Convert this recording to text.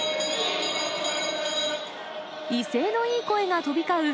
威勢のいい声が飛び交う